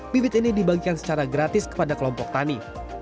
bibit ini dibagikan secara gratis kepada kelompok tani